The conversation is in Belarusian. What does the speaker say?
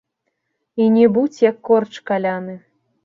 І не будзь, як корч каляны!